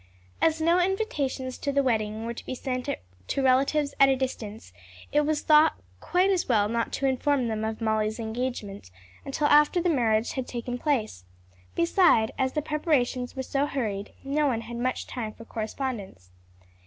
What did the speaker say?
_ As no invitations to the wedding were to be sent to relatives at a distance, it was thought quite as well not to inform them of Molly's engagement until after the marriage had taken place; beside, as the preparations were so hurried, no one had much time for correspondence.